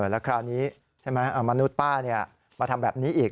แล้วคราวนี้ใช่ไหมมนุษย์ป้ามาทำแบบนี้อีก